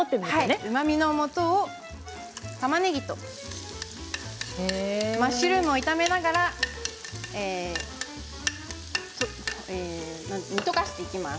うまみのもと、たまねぎとマッシュルームを炒めながら煮溶かしていきます。